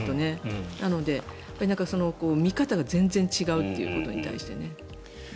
なので、見方が全然違うということに対してね。